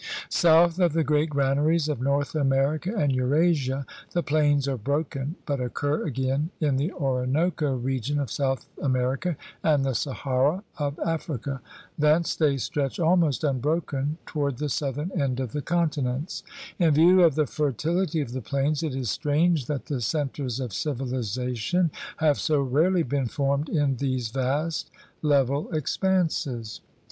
South of the great granaries of North America and Eurasia the plains are broken, but occur again in the Orinoco region of South America and the Sahara of Africa. Thence they stretch almost un broken toward the southern end of the continents. In view of the fertility of the plains it is strange that the centers of civilization have so rarely been formed in these vast level expanses.